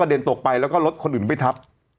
เขาเองแล้วก็เด่นตัวไปแล้วก็รถคนอื่นไปทับ